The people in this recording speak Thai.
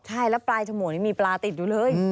ใช่แล้วปลายจมูกนี่มีปลาติดอยู่เลย